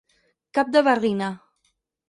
Cap de barrina.